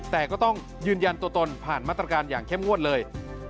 แต่ก็ต้องยืนยันตัวตนผ่านมาตรการอย่างเข้มงวดเลย